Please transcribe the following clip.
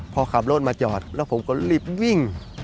พอขับรถมาจอดแล้วผมก็รีบวิ่ง